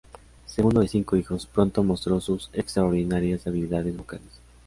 Segundo de cinco hijos, pronto mostró sus extraordinarias habilidades vocales.